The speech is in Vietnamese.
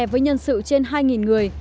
với nhân sự trên hai người